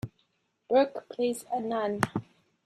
Burke plays a nun.